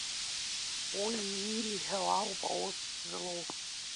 Уи ииҳәо ауп аус злоу.